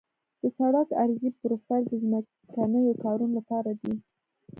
د سړک عرضي پروفیل د ځمکنیو کارونو لپاره دی